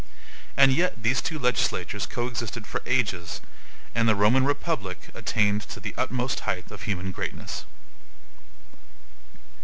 And yet these two legislatures coexisted for ages, and the Roman republic attained to the utmost height of human greatness.